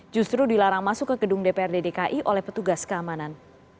justru dilarang masuk ke gedung dprd dki oleh petugas keamanan